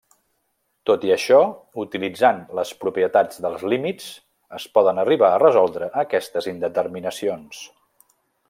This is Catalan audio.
Tot i això, utilitzant les propietats dels límits es poden arribar a resoldre aquestes indeterminacions.